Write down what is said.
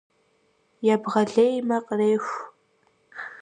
Ебгъэлеймэ — къреху.